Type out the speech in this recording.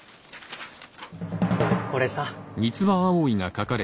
これさ。